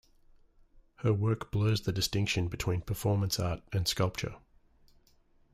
Her work blurs the distinction between performance art and sculpture.